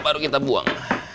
baru kita buang